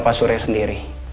pak surya sendiri